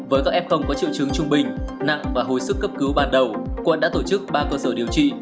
với các f có triệu chứng trung bình nặng và hồi sức cấp cứu ban đầu quận đã tổ chức ba cơ sở điều trị